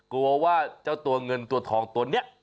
กลัวว่าเจ้าตัวเงินตัวทองตัวนี้